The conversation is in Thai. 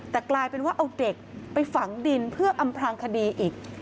แต่กลายเป็นว่าเอาเด็กไปฝังดินเพื่ออำพลางคดีอีก